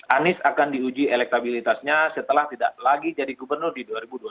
anies akan diuji elektabilitasnya setelah tidak lagi jadi gubernur di dua ribu dua puluh